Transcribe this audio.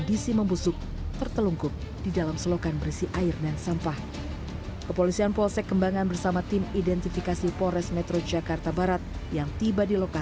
bila menemukan anggota keluarga yang hilang sekitar empat atau lima hari yang lalu